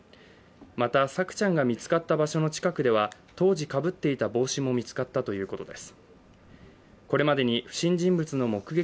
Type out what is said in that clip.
また、朔ちゃんが見つかった場所の近くでは当時かぶっていた帽子も見つかったということです。